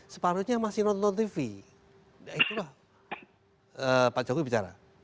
separuhnya masih nonton tv nah itulah pak jokowi bicara